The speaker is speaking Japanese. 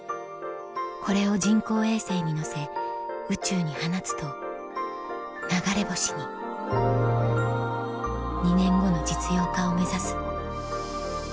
これを人工衛星にのせ宇宙に放つと流れ星に２年後の実用化を目指す